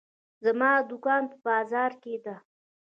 زما دوکان په بازار کې ده.